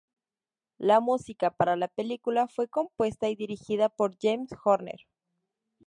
La música para la película fue compuesta y dirigida por James Horner.